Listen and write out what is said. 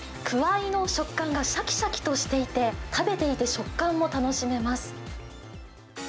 クワイの食感がしゃきしゃきとしていて、食べていて食感も楽しめます。